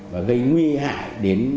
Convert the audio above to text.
và gây nguy hiểm